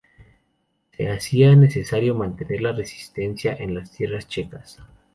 Se hacía necesario mantener la resistencia en las tierras checas.